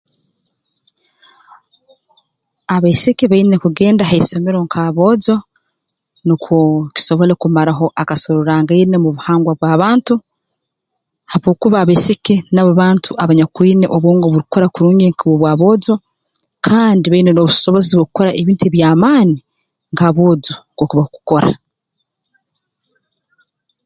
Abaisiki baine kugenda ha isomero nk'aboojo nukwo kisobole kumaraho akasoroorangaine mu buhangwa bw'abantu habwokuba abaisiki nabo bantu abanyakwine obwongo oburukukora kurungi nk'obw'aboojo kandi baine n'obusobozi bw'okukora ebintu eby'amaani nk'aboojo nkooku bakukora